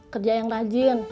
kerja yang rajin